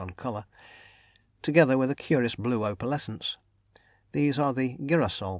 on "Colour"), together with a curious blue opalescence; these are the "girasol."